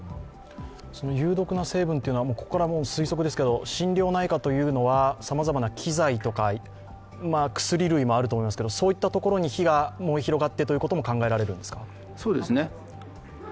有毒な成分というのは、ここからは推測ですが、心療内科というのはさまざまな機材とか、薬類もあると思いますが、そういったところに火が燃え広がってということも考えられるんですか？